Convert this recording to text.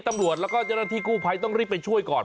ตำรวจแล้วก็เจ้าหน้าที่กู้ภัยต้องรีบไปช่วยก่อน